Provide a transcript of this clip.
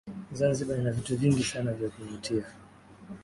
Zanzibar ina vitu vingi sana vya kuvutia